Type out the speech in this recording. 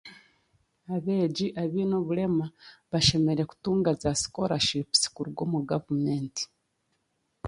Abeegi abeine oburema bashemereire kutunga za sikorashipusi kuruga omu gavumenti.